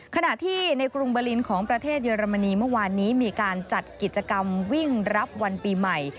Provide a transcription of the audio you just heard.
ขณะที่ในกรุงเบอร์ลินของประเทศเยอรมนีเมื่อวานนี้มีการจัดกิจกรรมวิ่งรับวันปีใหม่